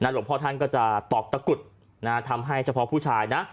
หลวงพ่อท่านก็จะตอกตะกุดทำให้เฉพาะผู้ชายนะ